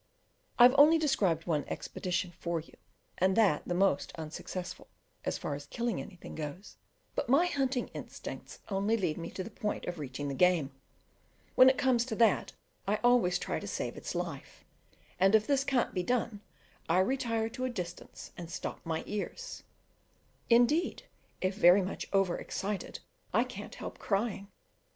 I have only described one expedition to you, and that the most unsuccessful, as far as killing anything goes; but my hunting instincts only lead me to the point of reaching the game; when it comes to that, I always try to save its life, and if this can't be done, I retire to a distance and stop my ears; indeed, if very much over excited, I can't help crying.